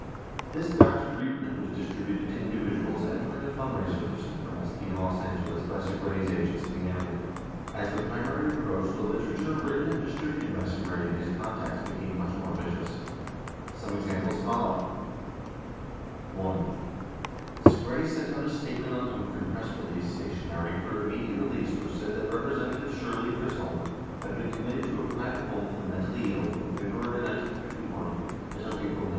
83 This doctored reprint was distributed to individuals entering a fund raiser for Senator Muskie in Los Angeles by Segretti's agents in the area. 84 As the primary approached, the literature written and distributed by Segretti and his contacts became much more vicious. Some exam ples follow : 1. Segretti sent out a statement on Humphrey press release station ery for immediate release which said that Representative Shirley Chisholm had been committed to a private home for the mentally ill from February 1951, until April 1952.